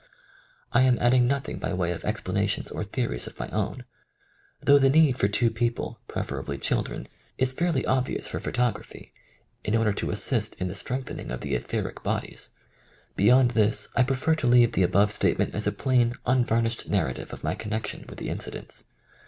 I am adding nothing by way of explanations or theories of my own, though the need for two people, prefer ably children, is fairly obvious for photog 51 THE COMING OF THE FAIRIES raphj, in order to assist in the strengthen ing of the etheric bodies. Beyond this I prefer to leave the above statement as a plain, unvarnished narrative of my connec tion with the incidents.